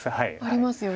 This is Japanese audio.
ありますよね。